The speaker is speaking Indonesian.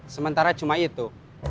sementara cuma itu